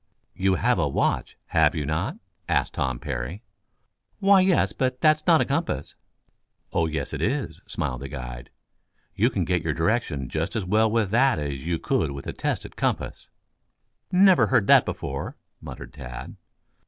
"You have a watch, have you not?" asked Tom Parry. "Why, yes; but that's not a compass." "Oh, yes, it is," smiled the guide. "You can get your direction just as well with that as you could with a tested compass." "Never heard that before," muttered Tad.